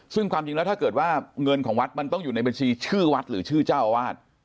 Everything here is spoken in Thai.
ซึ่งความจริงแล้วถ้าเกิดว่าเงินของวัดมันต้องอยู่ในบัญชีชื่อวัดหรือชื่อเจ้าอาวาส